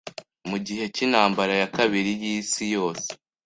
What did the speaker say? mu gihe cy'Intambara ya Kabiri y'Isi Yose